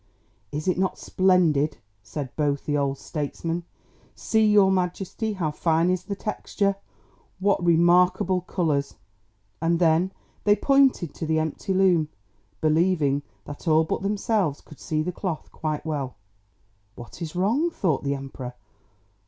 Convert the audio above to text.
"Is it not splendid!" said both the old statesmen. "See, your Majesty, how fine is the texture! What remarkable colours!" And then they pointed to the empty loom, believing that all but themselves could see the cloth quite well. "What is wrong?" thought the Emperor.